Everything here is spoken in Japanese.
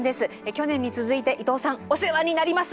去年に続いて伊藤さんお世話になります。